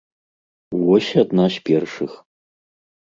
Вось адна з першых.